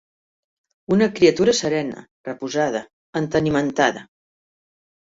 Una criatura serena, reposada, entenimentada